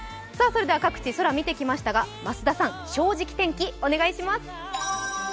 各地、空、見てきましたが、増田さん「正直天気」お願いします。